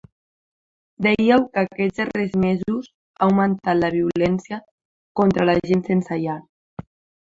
Dèieu que aquests darrers mesos ha augmentat la violència contra la gent sense llar.